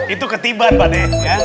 itu ketiban pakde